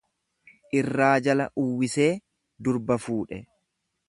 Irraa jala uwwisee durba fuudhe.